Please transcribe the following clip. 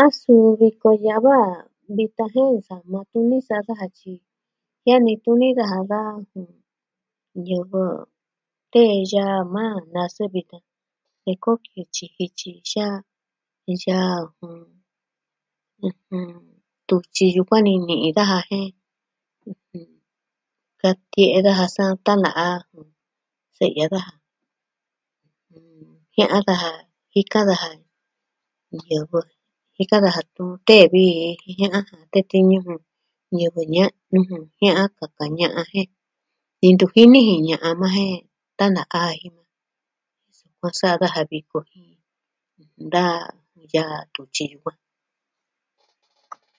A suu viko ya'a va, vitan jen sama tuni sa'a daja tyi jen ni tuni daja daa tun... ñɨvɨ tee yaa maa nasɨ vitan. Teku kityi jityi xa yaa ku. Tutyi yukuan ni ni'i daja jen, katie'e daja sa tana'a, se'ya daja, jia'an daja, jika daja. Ñivɨ jika daja. Tun tee vii ña tee tiñu. Ñivɨ ña'nu ju. Jia'an kaka ña'a jen. Ntu jini ji ña'a ma jen tana'a. Sukuan sa'a daja viko ii.